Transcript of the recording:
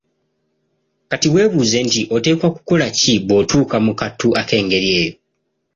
Kati weebuuze nti oteekwakukola ki bw'otuuka mu kattu ak'engeri eyo?